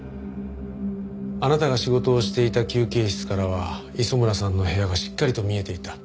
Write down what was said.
あなたが仕事をしていた休憩室からは磯村さんの部屋がしっかりと見えていた。